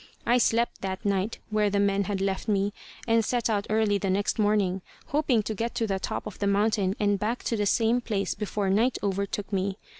I slept that night where the men had left me, and set out early the next morning, hoping to get to the top of the mountain and back to the same place before night overtook me.